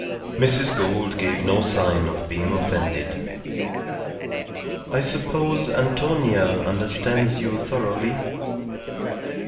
Mrs. Gould gave no sign of being offended. "I suppose Antonia understands you thoroughly?"